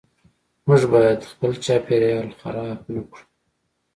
موږ باید خپل چاپیریال خراب نکړو .